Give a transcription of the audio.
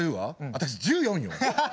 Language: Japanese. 私１４よ！